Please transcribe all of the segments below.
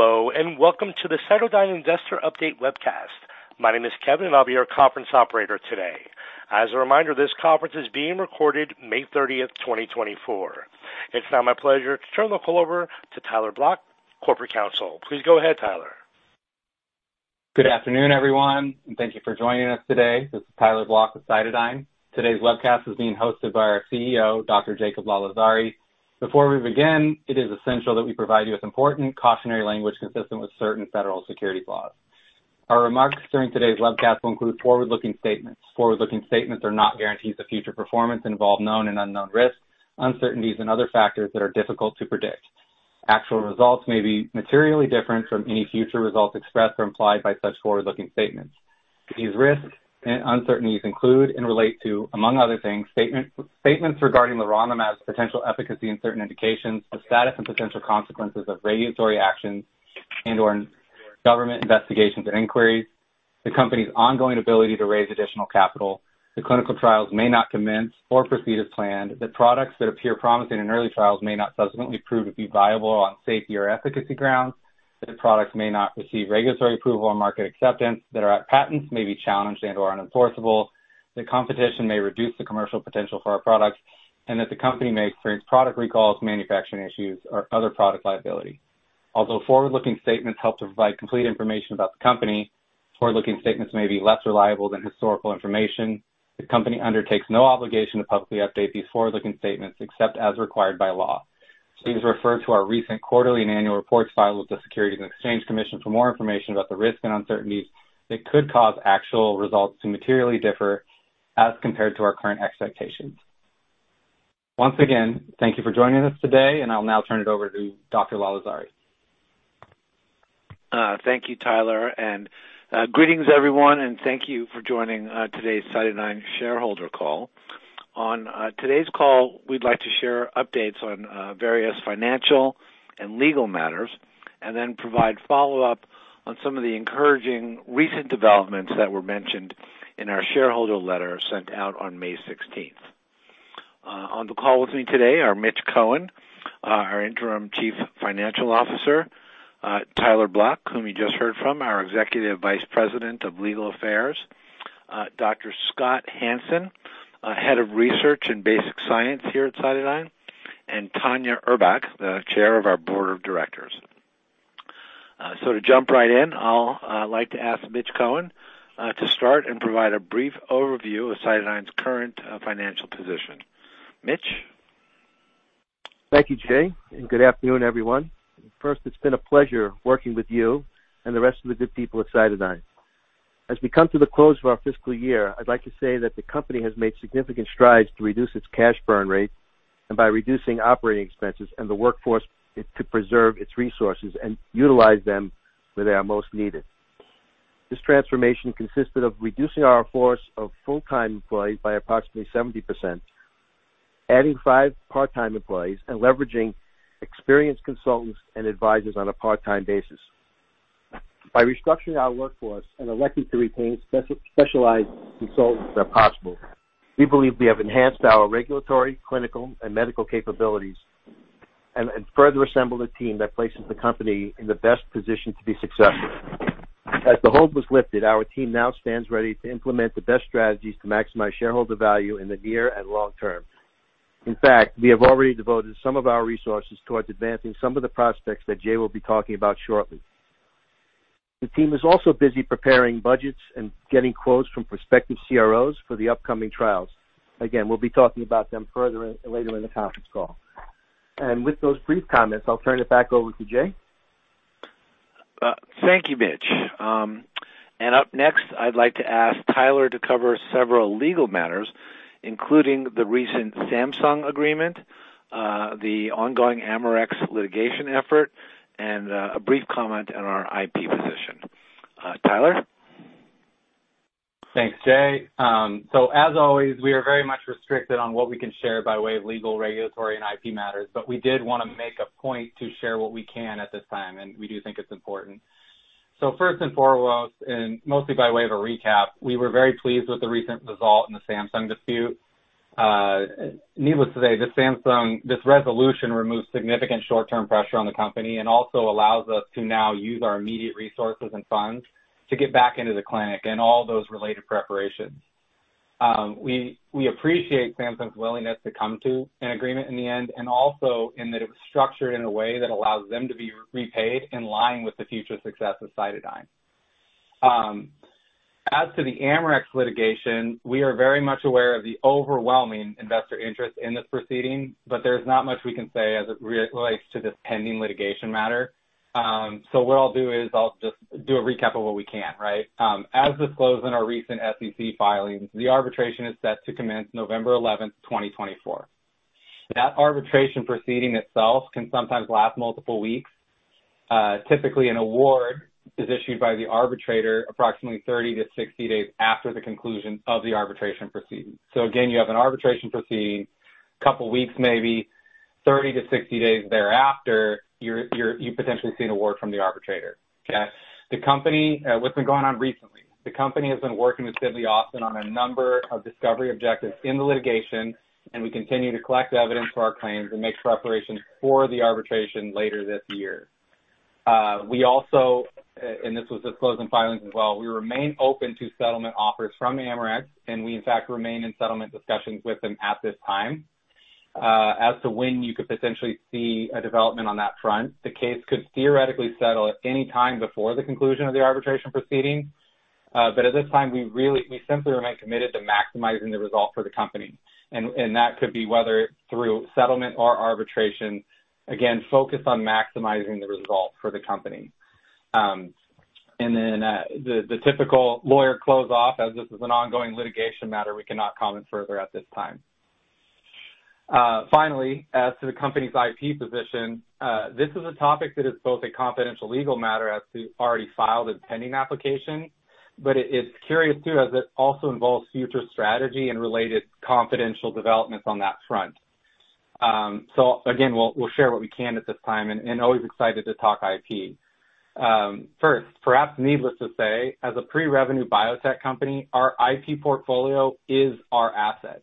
Hello, and welcome to the CytoDyn Investor Update webcast. My name is Kevin, and I'll be your conference operator today. As a reminder, this conference is being recorded May 30, 2024. It's now my pleasure to turn the call over to Tyler Blok, Corporate Counsel. Please go ahead, Tyler. Good afternoon, everyone, and thank you for joining us today. This is Tyler Blok with CytoDyn. Today's webcast is being hosted by our CEO, Dr. Jacob Lalezari. Before we begin, it is essential that we provide you with important cautionary language consistent with certain federal securities laws. Our remarks during today's webcast will include forward-looking statements. Forward-looking statements are not guarantees of future performance, involve known and unknown risks, uncertainties, and other factors that are difficult to predict. Actual results may be materially different from any future results expressed or implied by such forward-looking statements. These risks and uncertainties include and relate to, among other things, statements regarding leronlimab's potential efficacy in certain indications, the status and potential consequences of regulatory actions and/or government investigations and inquiries, the company's ongoing ability to raise additional capital, the clinical trials may not commence or proceed as planned, that products that appear promising in early trials may not subsequently prove to be viable on safety or efficacy grounds, that the products may not receive regulatory approval or market acceptance, that our patents may be challenged and/or unenforceable, that competition may reduce the commercial potential for our products, and that the company may experience product recalls, manufacturing issues, or other product liability. Although forward-looking statements help to provide complete information about the company, forward-looking statements may be less reliable than historical information. The company undertakes no obligation to publicly update these forward-looking statements except as required by law. Please refer to our recent quarterly and annual reports filed with the Securities and Exchange Commission for more information about the risks and uncertainties that could cause actual results to materially differ as compared to our current expectations. Once again, thank you for joining us today, and I'll now turn it over to Dr. Lalezari. Thank you, Tyler, and, greetings, everyone, and thank you for joining, today's CytoDyn shareholder call. On, today's call, we'd like to share updates on, various financial and legal matters, and then provide follow-up on some of the encouraging recent developments that were mentioned in our shareholder letter sent out on May sixteenth. On the call with me today are Mitch Cohen, our Interim Chief Financial Officer, Tyler Blok, whom you just heard from, our Executive Vice President of Legal Affairs, Dr. Scott Hansen, Head of Research and Basic Science here at CytoDyn, and Tanya Urbach, the Chair of our Board of Directors. So to jump right in, I'll, like to ask Mitch Cohen, to start and provide a brief overview of CytoDyn's current, financial position. Mitch? Thank you, Jay, and good afternoon, everyone. First, it's been a pleasure working with you and the rest of the good people at CytoDyn. As we come to the close of our fiscal year, I'd like to say that the company has made significant strides to reduce its cash burn rate and by reducing operating expenses and the workforce, it could preserve its resources and utilize them where they are most needed. This transformation consisted of reducing our force of full-time employees by approximately 70%, adding five part-time employees, and leveraging experienced consultants and advisors on a part-time basis. By restructuring our workforce and electing to retain specialized consultants where possible, we believe we have enhanced our regulatory, clinical, and medical capabilities and further assembled a team that places the company in the best position to be successful. As the hold was lifted, our team now stands ready to implement the best strategies to maximize shareholder value in the near and long term. In fact, we have already devoted some of our resources towards advancing some of the prospects that Jay will be talking about shortly. The team is also busy preparing budgets and getting quotes from prospective CROs for the upcoming trials. Again, we'll be talking about them further later in the conference call. And with those brief comments, I'll turn it back over to Jay. Thank you, Mitch. And up next, I'd like to ask Tyler to cover several legal matters, including the recent Samsung agreement, the ongoing Amarex litigation effort, and a brief comment on our IP position. Tyler? Thanks, Jay. So as always, we are very much restricted on what we can share by way of legal, regulatory, and IP matters, but we did wanna make a point to share what we can at this time, and we do think it's important. So first and foremost, and mostly by way of a recap, we were very pleased with the recent result in the Samsung dispute. Needless to say, this resolution removes significant short-term pressure on the company and also allows us to now use our immediate resources and funds to get back into the clinic and all those related preparations. We appreciate Samsung's willingness to come to an agreement in the end, and also in that it was structured in a way that allows them to be repaid in line with the future success of CytoDyn. As to the Amarex litigation, we are very much aware of the overwhelming investor interest in this proceeding, but there's not much we can say as it relates to this pending litigation matter. So what I'll do is I'll just do a recap of what we can, right? As disclosed in our recent SEC filings, the arbitration is set to commence November 11, 2024. That arbitration proceeding itself can sometimes last multiple weeks. Typically, an award is issued by the arbitrator approximately 30-60 days after the conclusion of the arbitration proceeding. So again, you have an arbitration proceeding, couple weeks, maybe 30-60 days thereafter, you potentially see an award from the arbitrator. The company... What's been going on recently? The company has been working with Sidley Austin on a number of discovery objectives in the litigation, and we continue to collect evidence for our claims and make preparations for the arbitration later this year. We also, and this was disclosed in filings as well, we remain open to settlement offers from Amarex, and we, in fact, remain in settlement discussions with them at this time. As to when you could potentially see a development on that front, the case could theoretically settle at any time before the conclusion of the arbitration proceeding. But at this time, we simply remain committed to maximizing the result for the company, and that could be whether through settlement or arbitration, again, focused on maximizing the result for the company. And then, the typical lawyer close off, as this is an ongoing litigation matter, we cannot comment further at this time. Finally, as to the company's IP position, this is a topic that is both a confidential legal matter as to already filed and pending applications, but it's curious, too, as it also involves future strategy and related confidential developments on that front. So again, we'll share what we can at this time and always excited to talk IP. First, perhaps needless to say, as a pre-revenue biotech company, our IP portfolio is our asset.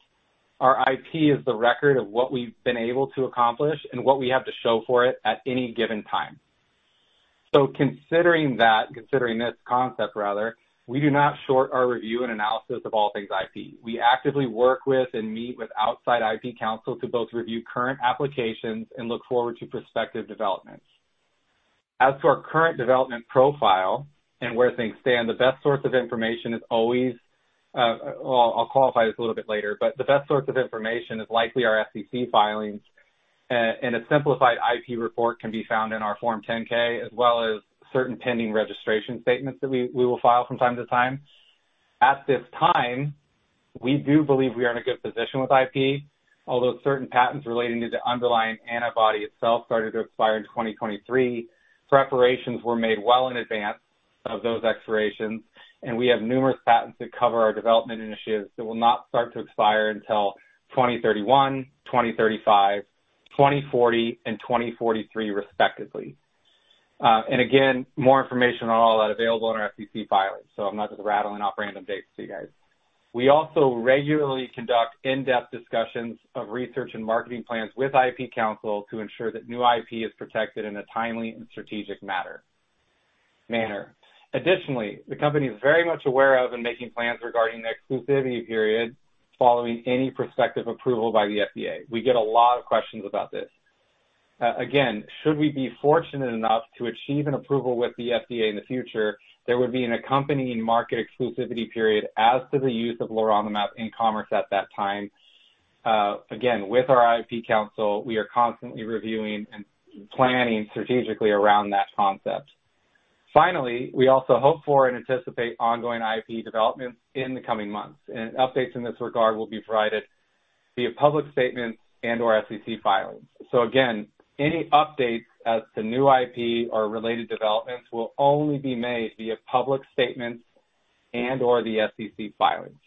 Our IP is the record of what we've been able to accomplish and what we have to show for it at any given time. So considering that, considering this concept rather, we do not short our review and analysis of all things IP. We actively work with and meet with outside IP counsel to both review current applications and look forward to prospective developments. As to our current development profile and where things stand, the best source of information is always... Well, I'll qualify this a little bit later, but the best source of information is likely our SEC filings, and a simplified IP report can be found in our Form 10-K, as well as certain pending registration statements that we will file from time to time. At this time, we do believe we are in a good position with IP, although certain patents relating to the underlying antibody itself started to expire in 2023. Preparations were made well in advance of those expirations, and we have numerous patents that cover our development initiatives that will not start to expire until 2031, 2035, 2040, and 2043, respectively. And again, more information on all that available in our SEC filings, so I'm not just rattling off random dates to you guys. We also regularly conduct in-depth discussions of research and marketing plans with IP counsel to ensure that new IP is protected in a timely and strategic manner. Additionally, the company is very much aware of and making plans regarding the exclusivity period following any prospective approval by the FDA. We get a lot of questions about this. Again, should we be fortunate enough to achieve an approval with the FDA in the future, there would be an accompanying market exclusivity period as to the use of leronlimab in commerce at that time. Again, with our IP counsel, we are constantly reviewing and planning strategically around that concept. Finally, we also hope for and anticipate ongoing IP developments in the coming months, and updates in this regard will be provided via public statements and/or SEC filings. So again, any updates as to new IP or related developments will only be made via public statements and/or the SEC filings.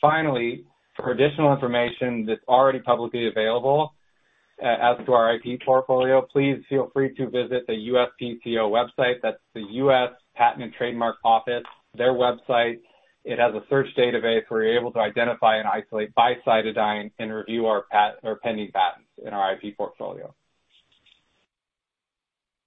Finally, for additional information that's already publicly available, as to our IP portfolio, please feel free to visit the USPTO website. That's the U.S. Patent and Trademark Office, their website. It has a search database where you're able to identify and isolate by CytoDyn and review our pending patents in our IP portfolio.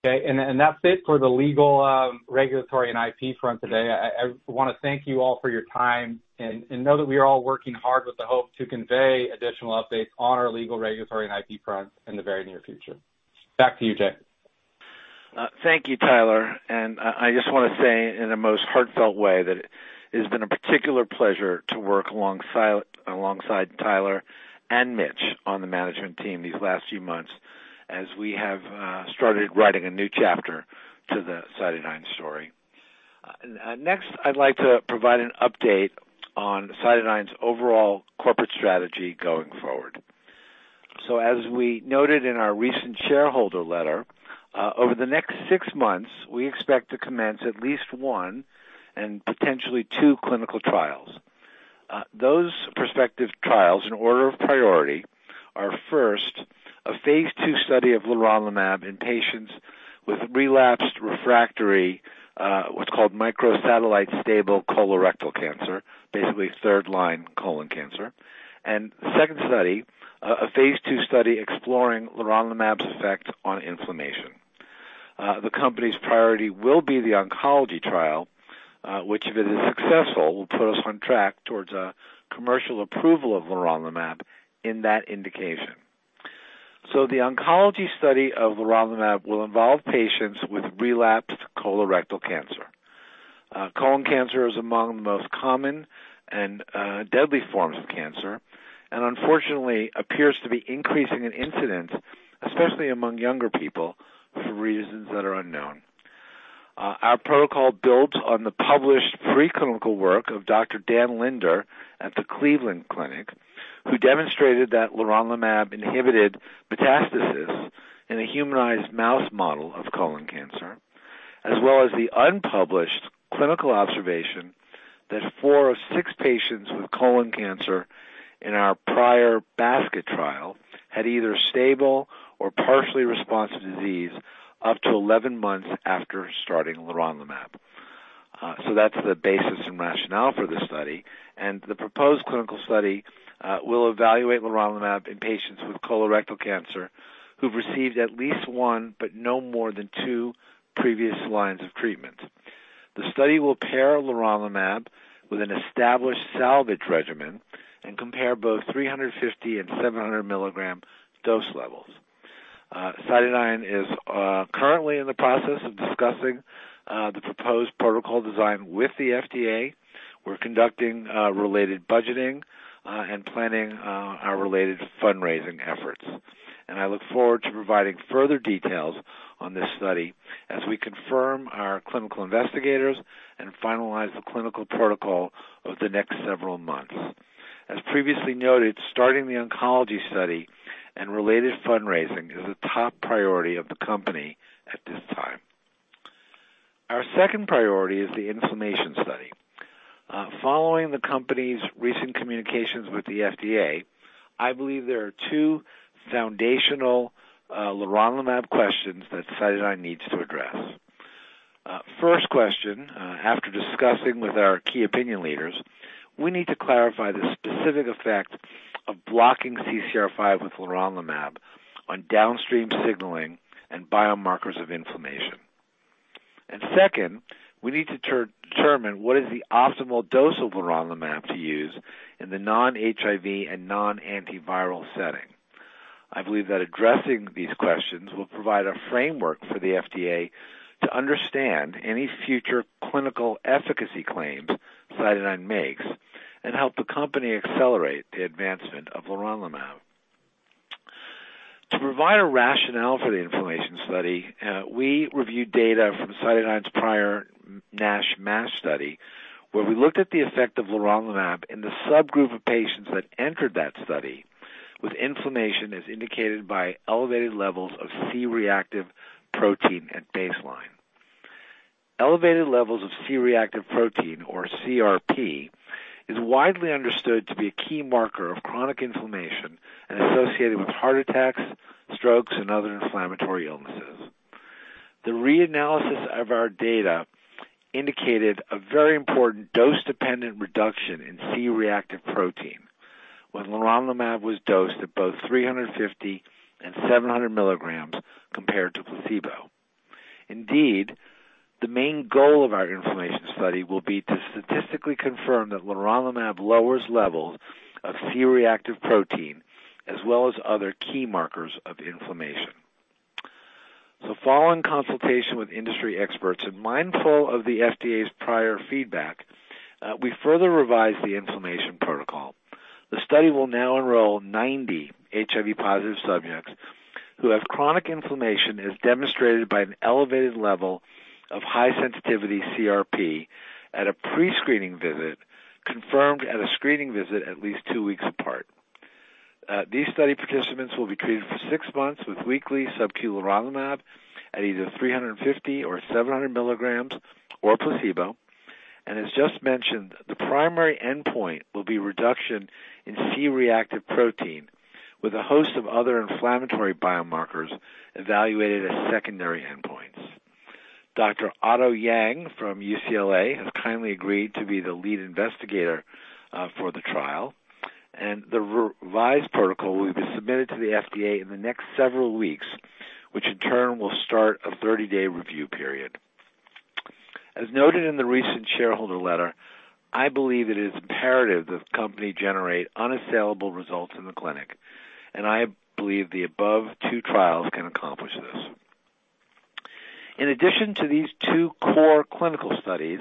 Okay, and that's it for the legal, regulatory, and IP front today. I want to thank you all for your time and know that we are all working hard with the hope to convey additional updates on our legal, regulatory, and IP front in the very near future. Back to you, Jay. Thank you, Tyler, and I just wanna say in the most heartfelt way that it has been a particular pleasure to work alongside Tyler and Mitch on the management team these last few months, as we have started writing a new chapter to the CytoDyn story. Next, I'd like to provide an update on CytoDyn's overall corporate strategy going forward. As we noted in our recent shareholder letter, over the next six months, we expect to commence at least one and potentially two clinical trials. Those prospective trials, in order of priority, are first, a phase II study of leronlimab in patients with relapsed refractory, what's called microsatellite stable colorectal cancer, basically third-line colon cancer. The second study, a phase II study exploring leronlimab's effect on inflammation. The company's priority will be the oncology trial, which, if it is successful, will put us on track towards a commercial approval of leronlimab in that indication. So the oncology study of leronlimab will involve patients with relapsed colorectal cancer. Colon cancer is among the most common and deadly forms of cancer, and unfortunately appears to be increasing in incidence, especially among younger people, for reasons that are unknown. Our protocol builds on the published preclinical work of Dr. Daniel Lindner at the Cleveland Clinic, who demonstrated that leronlimab inhibited metastasis in a humanized mouse model of colon cancer, as well as the unpublished clinical observation that four of six patients with colon cancer in our prior basket trial had either stable or partially responsive disease up to 11 months after starting leronlimab, so that's the basis and rationale for the study. And the proposed clinical study will evaluate leronlimab in patients with colorectal cancer who've received at least one, but no more than two previous lines of treatment. The study will pair leronlimab with an established salvage regimen and compare both 350- and 700-milligram dose levels. CytoDyn is currently in the process of discussing the proposed protocol design with the FDA. We're conducting related budgeting and planning our related fundraising efforts. And I look forward to providing further details on this study as we confirm our clinical investigators and finalize the clinical protocol over the next several months. As previously noted, starting the oncology study and related fundraising is a top priority of the company at this time. Our second priority is the inflammation study. Following the company's recent communications with the FDA, I believe there are two foundational leronlimab questions that CytoDyn needs to address. First question, after discussing with our key opinion leaders, we need to clarify the specific effect of blocking CCR5 with leronlimab on downstream signaling and biomarkers of inflammation. Second, we need to determine what is the optimal dose of leronlimab to use in the non-HIV and non-antiviral setting. I believe that addressing these questions will provide a framework for the FDA to understand any future clinical efficacy claims CytoDyn makes and help the company accelerate the advancement of leronlimab. To provide a rationale for the inflammation study, we reviewed data from CytoDyn's prior NASH/MASH study, where we looked at the effect of leronlimab in the subgroup of patients that entered that study, with inflammation as indicated by elevated levels of C-reactive protein at baseline. Elevated levels of C-reactive protein, or CRP, is widely understood to be a key marker of chronic inflammation and associated with heart attacks, strokes, and other inflammatory illnesses. The reanalysis of our data indicated a very important dose-dependent reduction in C-reactive protein when leronlimab was dosed at both 350 and 700 milligrams compared to placebo. Indeed, the main goal of our inflammation study will be to statistically confirm that leronlimab lowers levels of C-reactive protein, as well as other key markers of inflammation. Following consultation with industry experts and mindful of the FDA's prior feedback, we further revised the inflammation protocol. The study will now enroll 90 HIV-positive subjects who have chronic inflammation, as demonstrated by an elevated level of high sensitivity CRP at a pre-screening visit, confirmed at a screening visit at least two weeks apart. These study participants will be treated for six months with weekly subcu leronlimab at either 350 or 700 milligrams or placebo. And as just mentioned, the primary endpoint will be reduction in C-reactive protein, with a host of other inflammatory biomarkers evaluated as secondary endpoints. Dr. Otto Yang from UCLA has kindly agreed to be the lead investigator for the trial, and the re-revised protocol will be submitted to the FDA in the next several weeks, which in turn will start a 30-day review period. As noted in the recent shareholder letter, I believe it is imperative that the company generate unassailable results in the clinic, and I believe the above two trials can accomplish this. In addition to these two core clinical studies,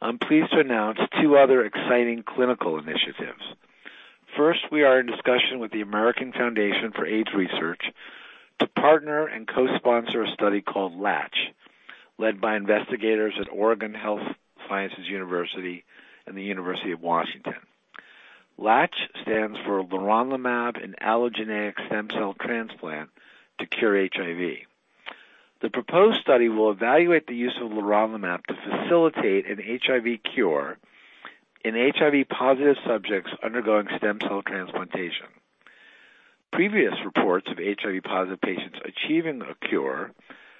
I'm pleased to announce two other exciting clinical initiatives. First, we are in discussion with the American Foundation for AIDS Research to partner and co-sponsor a study called LATCH, led by investigators at Oregon Health & Science University and the University of Washington. LATCH stands for leronlimab and allogeneic stem cell transplant to cure HIV. The proposed study will evaluate the use of leronlimab to facilitate an HIV cure in HIV-positive subjects undergoing stem cell transplantation. Previous reports of HIV-positive patients achieving a cure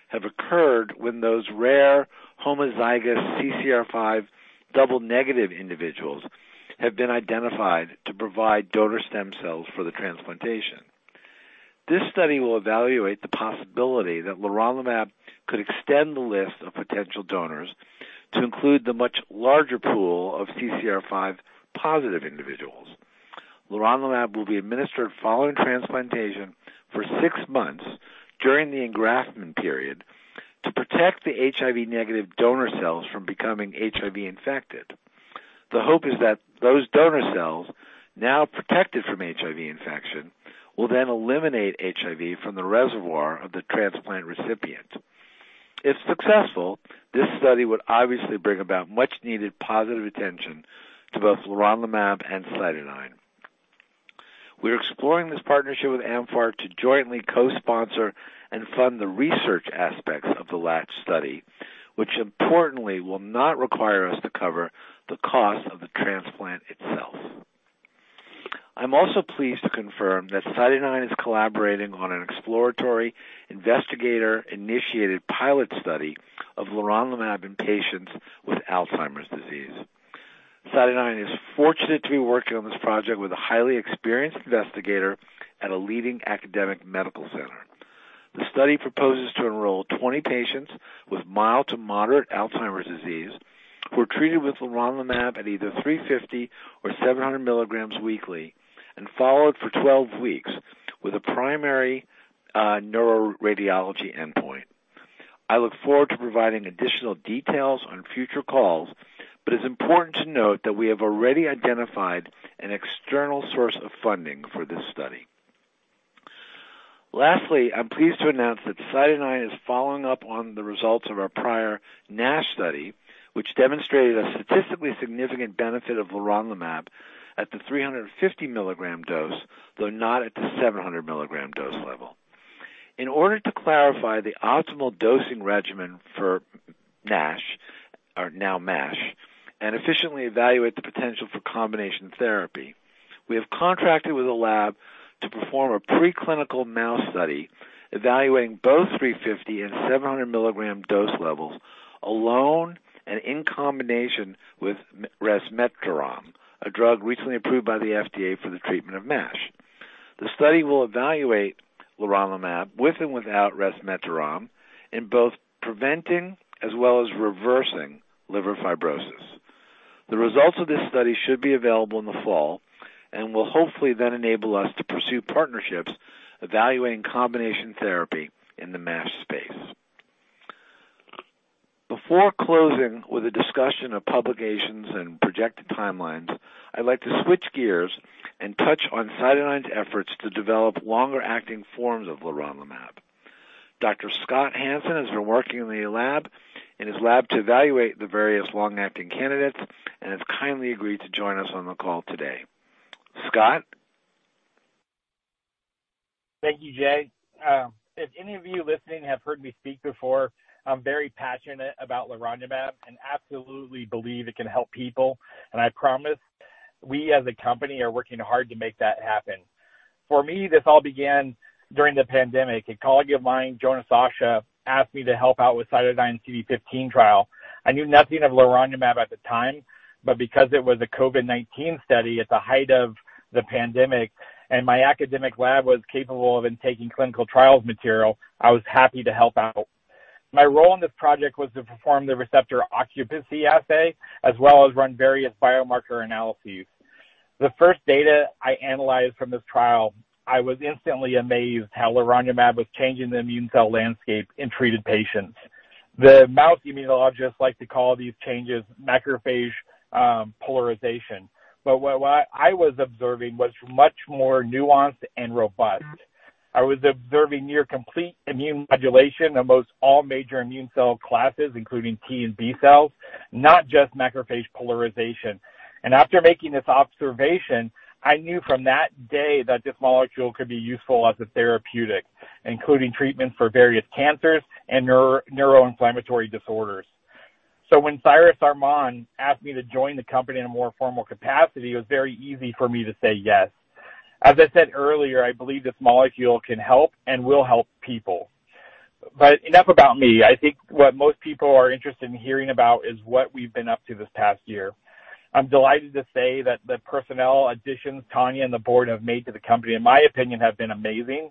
have occurred when those rare homozygous CCR5 double-negative individuals have been identified to provide donor stem cells for the transplantation. This study will evaluate the possibility that leronlimab could extend the list of potential donors to include the much larger pool of CCR5 positive individuals. Leronlimab will be administered following transplantation for six months during the engraftment period to protect the HIV-negative donor cells from becoming HIV-infected. The hope is that those donor cells, now protected from HIV infection, will then eliminate HIV from the reservoir of the transplant recipient. If successful, this study would obviously bring about much-needed positive attention to both leronlimab and CytoDyn. We are exploring this partnership with amfAR to jointly co-sponsor and fund the research aspects of the LATCH study, which importantly will not require us to cover the cost of the transplant itself. I'm also pleased to confirm that CytoDyn is collaborating on an exploratory investigator-initiated pilot study of leronlimab in patients with Alzheimer's disease. CytoDyn is fortunate to be working on this project with a highly experienced investigator at a leading academic medical center. The study proposes to enroll 20 patients with mild to moderate Alzheimer's disease, who are treated with leronlimab at either 350 or 700 milligrams weekly, and followed for 12 weeks with a primary neuroradiology endpoint. I look forward to providing additional details on future calls, but it's important to note that we have already identified an external source of funding for this study. Lastly, I'm pleased to announce that CytoDyn is following up on the results of our prior NASH study, which demonstrated a statistically significant benefit of leronlimab at the 350 milligram dose, though not at the 700 milligram dose level. In order to clarify the optimal dosing regimen for NASH, or now MASH, and efficiently evaluate the potential for combination therapy, we have contracted with a lab to perform a preclinical mouse study evaluating both 350- and 700-mg dose levels, alone and in combination with resmetirom, a drug recently approved by the FDA for the treatment of MASH. The study will evaluate leronlimab with and without resmetirom in both preventing as well as reversing liver fibrosis. The results of this study should be available in the fall and will hopefully then enable us to pursue partnerships evaluating combination therapy in the MASH space. Before closing with a discussion of publications and projected timelines, I'd like to switch gears and touch on CytoDyn's efforts to develop longer-acting forms of leronlimab. Dr. Scott Hansen has been working in the lab, in his lab to evaluate the various long-acting candidates and has kindly agreed to join us on the call today. Scott? Thank you, Jay. If any of you listening have heard me speak before, I'm very passionate about leronlimab and absolutely believe it can help people, and I promise we as a company are working hard to make that happen. For me, this all began during the pandemic. A colleague of mine, Jonah Sacha, asked me to help out with CytoDyn's CD15 trial. I knew nothing of leronlimab at the time, but because it was a COVID-19 study at the height of the pandemic and my academic lab was capable of then taking clinical trials material, I was happy to help out. My role in this project was to perform the receptor occupancy assay, as well as run various biomarker analyses. The first data I analyzed from this trial, I was instantly amazed how leronlimab was changing the immune cell landscape in treated patients. The mouse immunologists like to call these changes macrophage polarization, but what I was observing was much more nuanced and robust. I was observing near complete immune modulation amongst all major immune cell classes, including T and B cells, not just macrophage polarization. After making this observation, I knew from that day that this molecule could be useful as a therapeutic, including treatment for various cancers and neuroinflammatory disorders. When Cyrus Arman asked me to join the company in a more formal capacity, it was very easy for me to say yes. As I said earlier, I believe this molecule can help and will help people. Enough about me. I think what most people are interested in hearing about is what we've been up to this past year. I'm delighted to say that the personnel additions Tanya and the board have made to the company, in my opinion, have been amazing.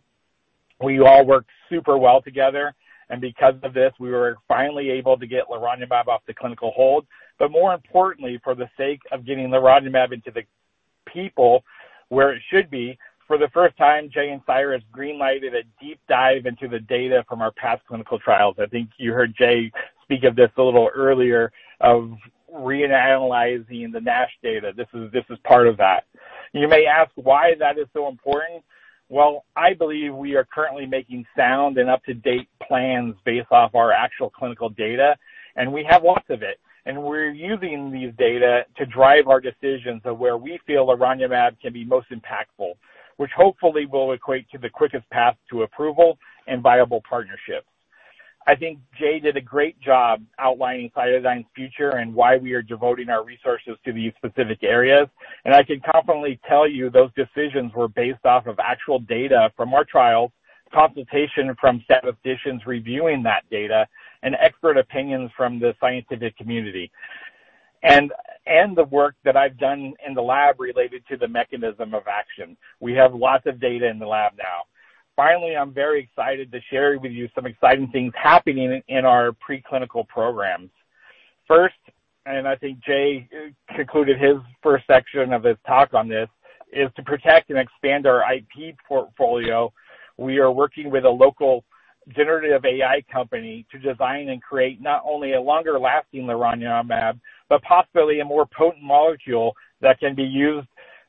We all work super well together, and because of this, we were finally able to get leronlimab off the clinical hold. But more importantly, for the sake of getting leronlimab into the people where it should be, for the first time, Jay and Cyrus green lighted a deep dive into the data from our past clinical trials. I think you heard Jay speak of this a little earlier, of reanalyzing the NASH data. This is, this is part of that. You may ask why that is so important. Well, I believe we are currently making sound and up-to-date plans based off our actual clinical data, and we have lots of it. And we're using these data to drive our decisions of where we feel leronlimab can be most impactful, which hopefully will equate to the quickest path to approval and viable partnerships. I think Jay did a great job outlining CytoDyn's future and why we are devoting our resources to these specific areas. And I can confidently tell you those decisions were based off of actual data from our trials, consultation from statisticians reviewing that data, and expert opinions from the scientific community, and the work that I've done in the lab related to the mechanism of action. We have lots of data in the lab now. Finally, I'm very excited to share with you some exciting things happening in our preclinical programs. First, and I think Jay concluded his first section of his talk on this, is to protect and expand our IP portfolio. We are working with a local generative AI company to design and create not only a longer lasting leronlimab, but possibly a more potent molecule that can be used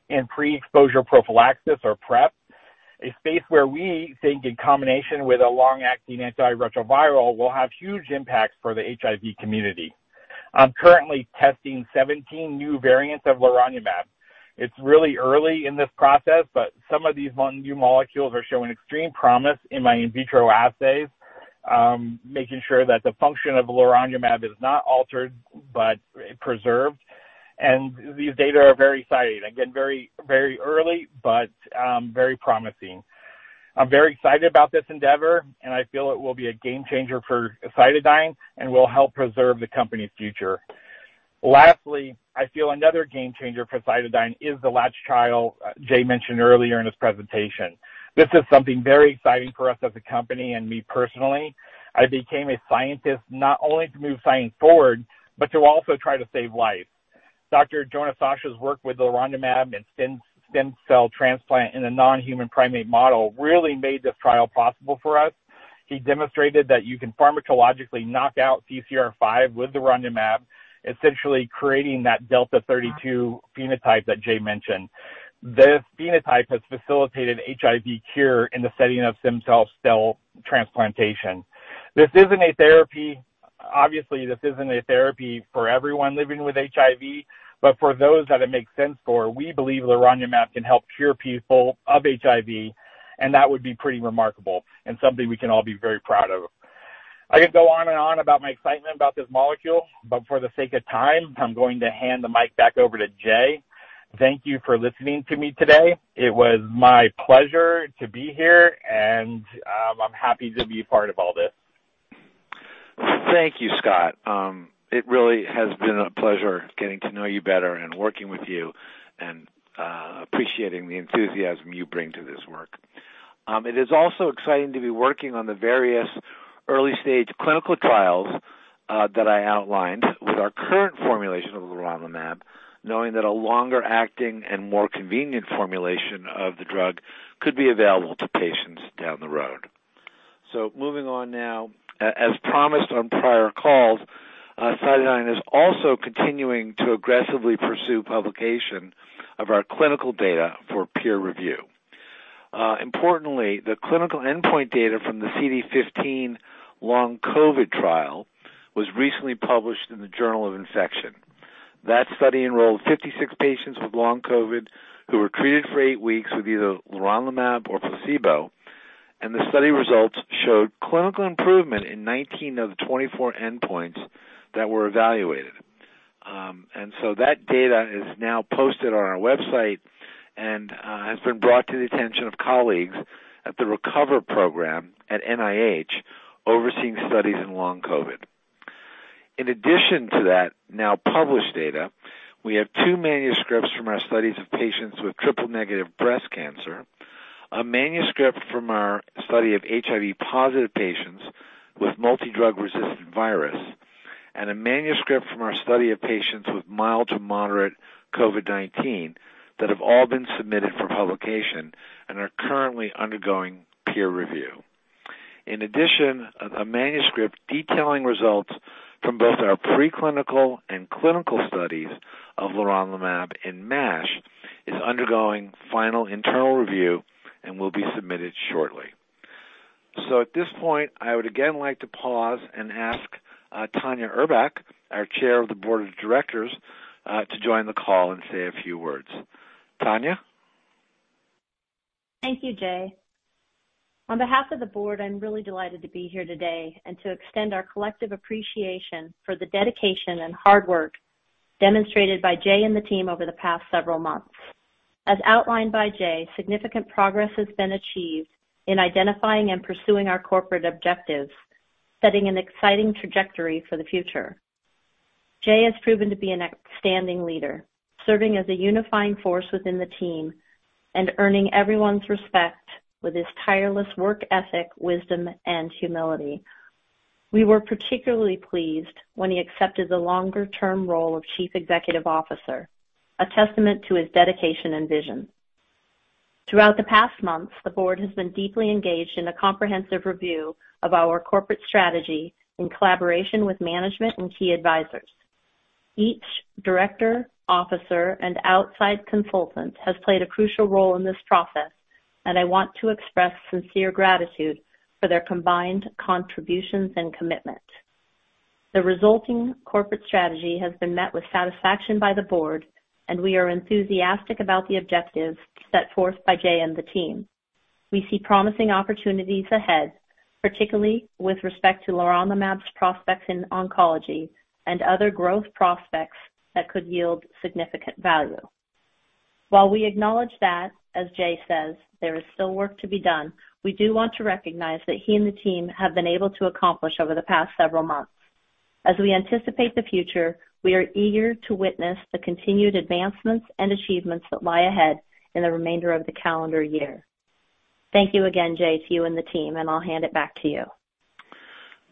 in pre-exposure prophylaxis, or PrEP, a space where we think in combination with a long-acting antiretroviral, will have huge impacts for the HIV community. I'm currently testing 17 new variants of leronlimab. It's really early in this process, but some of these new molecules are showing extreme promise in my in vitro assays.... making sure that the function of leronlimab is not altered, but preserved. And these data are very exciting. Again, very, very early, but, very promising. I'm very excited about this endeavor, and I feel it will be a game changer for CytoDyn and will help preserve the company's future. Lastly, I feel another game changer for CytoDyn is the LATCH trial Jay mentioned earlier in his presentation. This is something very exciting for us as a company and me personally. I became a scientist not only to move science forward, but to also try to save lives. Dr. Jonah Sacha's work with leronlimab and stem cell transplant in a non-human primate model really made this trial possible for us. He demonstrated that you can pharmacologically knock out CCR5 with leronlimab, essentially creating that delta-32 phenotype that Jay mentioned. This phenotype has facilitated HIV cure in the setting of stem cell transplantation. This isn't a therapy... Obviously, this isn't a therapy for everyone living with HIV, but for those that it makes sense for, we believe leronlimab can help cure people of HIV, and that would be pretty remarkable and something we can all be very proud of. I could go on and on about my excitement about this molecule, but for the sake of time, I'm going to hand the mic back over to Jay. Thank you for listening to me today. It was my pleasure to be here, and, I'm happy to be part of all this. Thank you, Scott. It really has been a pleasure getting to know you better and working with you and appreciating the enthusiasm you bring to this work. It is also exciting to be working on the various early stage clinical trials that I outlined with our current formulation of leronlimab, knowing that a longer acting and more convenient formulation of the drug could be available to patients down the road. So moving on now. As promised on prior calls, CytoDyn is also continuing to aggressively pursue publication of our clinical data for peer review. Importantly, the clinical endpoint data from the CD15 long COVID trial was recently published in the Journal of Infection. That study enrolled 56 patients with long COVID, who were treated for 8 weeks with either leronlimab or placebo, and the study results showed clinical improvement in 19 of the 24 endpoints that were evaluated. And so that data is now posted on our website and has been brought to the attention of colleagues at the RECOVER program at NIH, overseeing studies in long COVID. In addition to that now published data, we have 2 manuscripts from our studies of patients with triple-negative breast cancer, a manuscript from our study of HIV-positive patients with multidrug-resistant virus, and a manuscript from our study of patients with mild to moderate COVID-19 that have all been submitted for publication and are currently undergoing peer review. In addition, a manuscript detailing results from both our preclinical and clinical studies of leronlimab in MASH is undergoing final internal review and will be submitted shortly. So at this point, I would again like to pause and ask Tanya Urbach, our Chair of the Board of Directors, to join the call and say a few words. Tanya? Thank you, Jay. On behalf of the board, I'm really delighted to be here today and to extend our collective appreciation for the dedication and hard work demonstrated by Jay and the team over the past several months. As outlined by Jay, significant progress has been achieved in identifying and pursuing our corporate objectives, setting an exciting trajectory for the future. Jay has proven to be an outstanding leader, serving as a unifying force within the team and earning everyone's respect with his tireless work ethic, wisdom and humility. We were particularly pleased when he accepted the longer term role of Chief Executive Officer, a testament to his dedication and vision. Throughout the past months, the board has been deeply engaged in a comprehensive review of our corporate strategy in collaboration with management and key advisors. Each director, officer, and outside consultant has played a crucial role in this process, and I want to express sincere gratitude for their combined contributions and commitment. The resulting corporate strategy has been met with satisfaction by the board, and we are enthusiastic about the objectives set forth by Jay and the team. We see promising opportunities ahead, particularly with respect to leronlimab's prospects in oncology and other growth prospects that could yield significant value. While we acknowledge that, as Jay says, there is still work to be done, we do want to recognize that he and the team have been able to accomplish over the past several months. As we anticipate the future, we are eager to witness the continued advancements and achievements that lie ahead in the remainder of the calendar year. Thank you again, Jay, to you and the team, and I'll hand it back to you.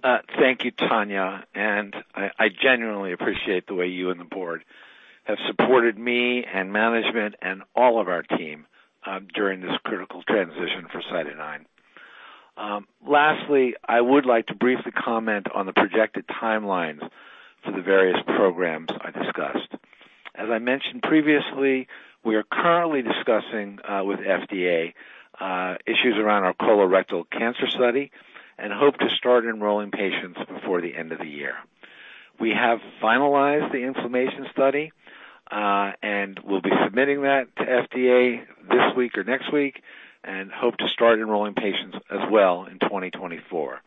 Thank you, Tanya, and I genuinely appreciate the way you and the board have supported me and management and all of our team during this critical transition for CytoDyn. Lastly, I would like to briefly comment on the projected timelines for the various programs I discussed. As I mentioned previously, we are currently discussing with FDA issues around our colorectal cancer study and hope to start enrolling patients before the end of the year. We have finalized the inflammation study and we'll be submitting that to FDA this week or next week and hope to start enrolling patients as well in 2024.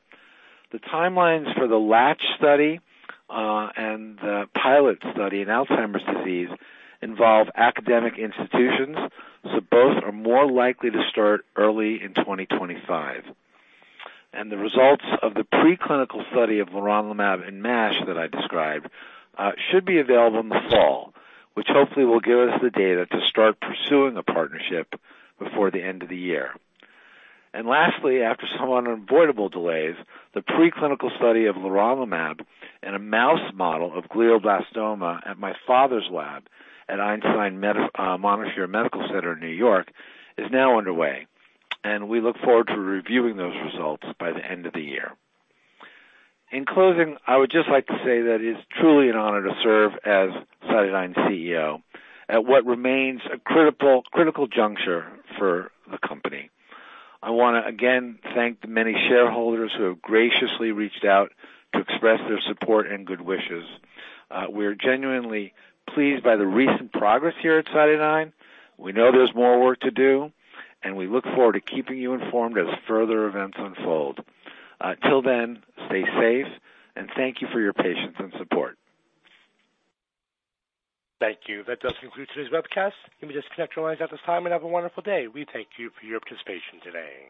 The timelines for the LATCH study and the pilot study in Alzheimer's disease involve academic institutions, so both are more likely to start early in 2025. The results of the preclinical study of leronlimab in MASH that I described should be available in the fall, which hopefully will give us the data to start pursuing a partnership before the end of the year. Lastly, after some unavoidable delays, the preclinical study of leronlimab in a mouse model of glioblastoma at my father's lab at Montefiore Medical Center in New York is now underway, and we look forward to reviewing those results by the end of the year. In closing, I would just like to say that it's truly an honor to serve as CytoDyn's CEO at what remains a critical, critical juncture for the company. I want to again thank the many shareholders who have graciously reached out to express their support and good wishes. We're genuinely pleased by the recent progress here at CytoDyn. We know there's more work to do, and we look forward to keeping you informed as further events unfold. Till then, stay safe, and thank you for your patience and support. Thank you. That does conclude today's webcast. Let me disconnect your lines at this time and have a wonderful day. We thank you for your participation today.